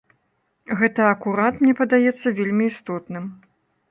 Гэта акурат, мне падаецца, вельмі істотным.